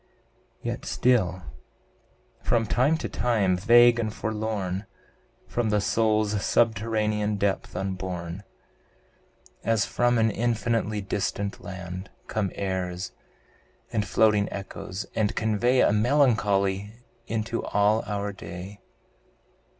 Yet still, from time to time, vague and forlorn, From the soul's subterranean depth upborne As from an infinitely distant land, Come airs, and floating echoes, and convey A melancholy into all our day.